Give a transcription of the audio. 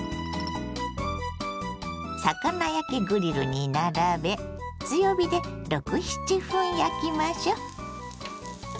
魚焼きグリルに並べ強火で６７分焼きましょ。